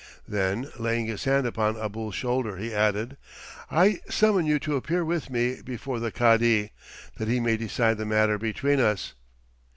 Then, laying his hand upon Abul's shoulder, he added, "I summon you to appear with me before the Cadi, that he may decide the matter between us."